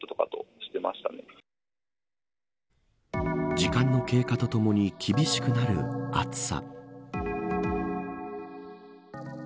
時間の経過とともに厳しくなる暑さ。